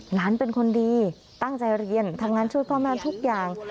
หลานเป็นคนดีตั้งใจเรียนทำงานช่วยพ่อแม่ทุกอย่าง